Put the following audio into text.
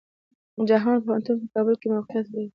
جهان پوهنتون په کابل کې موقيعت لري.